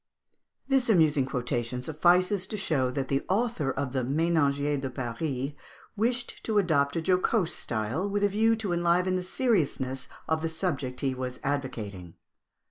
This amusing quotation suffices to show that the author of the "Ménagier de Paris" wished to adopt a jocose style, with a view to enliven the seriousness of the subject he was advocating.